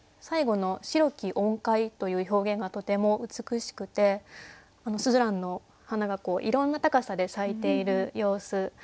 最後の「白き音階」という表現がとても美しくてすずらんの花がいろんな高さで咲いている様子